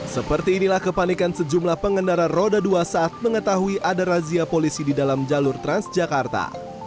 seperti inilah kepanikan sejumlah pengendara roda dua saat mengetahui ada razia polisi di dalam jalur transjakarta